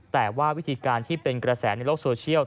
แต่ว่าวิธีการที่เป็นกระแสในโลกโซเชียล